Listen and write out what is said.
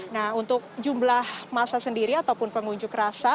nah untuk jumlah masa sendiri ataupun pengunjuk rasa